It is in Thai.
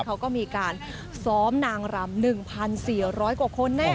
เขาก็มีการซ้อมนางรำ๑๔๐๐กว่าคนแน่